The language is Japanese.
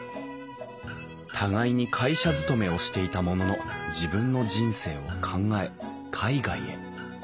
互いに会社勤めをしていたものの自分の人生を考え海外へ。